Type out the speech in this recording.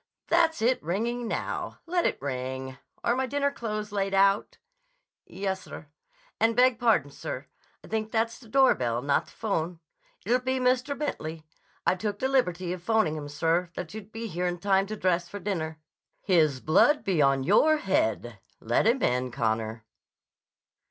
That's it ringing now. Let it ring. Are my dinner clothes laid out?" "Yes, sir. And, beg pardon, sir; I think that's the doorbell not the'phone. It'll be Mr. Bentley. I took the liberty of 'phoning him, sir, that you'd be here in time to dress for dinner—" "His blood be on your head. Let him in, Connor."